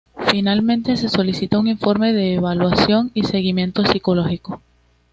Finalmente, se solicita un informe de evaluación y seguimiento psicológico.